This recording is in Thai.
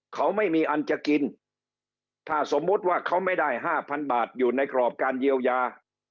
เขาไม่มีอันจะกินถ้าสมมุติว่าเขาไม่ได้ห้าพันบาทอยู่ในกรอบการเยียวยา